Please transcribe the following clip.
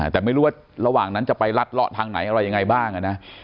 แต่ไม่รู้ว่าระหว่างนั้นจะไปรัดเลาะทางไหนอะไรยังไงบ้างนะ